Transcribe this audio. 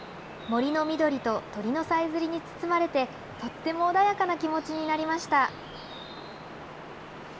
森の緑と鳥のさえずりに包まれて、とっても穏やかな気持ちになりました。